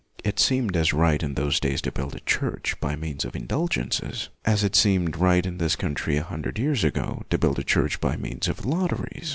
It seemed as right in those days to build a church by means of indulgences as it seemed right in this country a hundred years ago to build a church by means of lotteries.